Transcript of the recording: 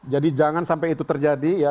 jadi jangan sampai itu terjadi ya